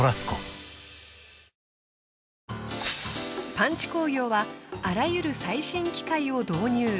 パンチ工業はあらゆる最新機械を導入。